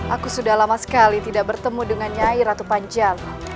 aku sudah lama sekali tidak bertemu dengan nyai ratu panjang